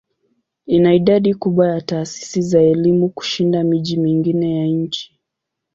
Ina idadi kubwa ya taasisi za elimu kushinda miji mingine ya nchi.